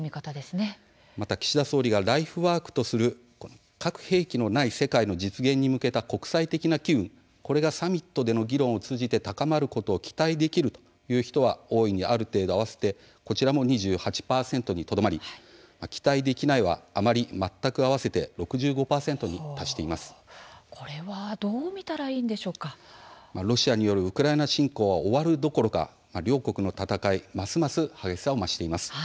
また岸田総理がライフワークとする核兵器のない世界の実現に向けた国際的な機運、これがサミットの議論を通じて高まることを期待できるという人は大いに、ある程度、合わせて２８％にとどまり期待できないはあまり、全く、合わせてこれはロシアによるウクライナ侵攻は終わるどころか両国の戦いはますます激しさを増しています。